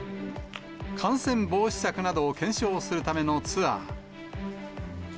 感染防止策などを検証するためのツアー。